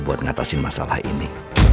buat ngatasin masalah ini